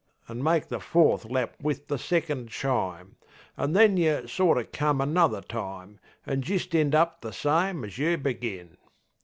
An' make the fourth lap wiv the second chime, An' then you sort o' come another time, An' jist end up the same as you begin.